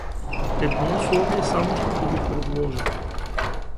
Едно условие само ще да ви предложа.